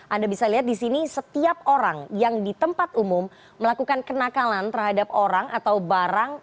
anda bisa lihat di sini setiap orang yang di tempat umum melakukan kenakalan terhadap orang atau barang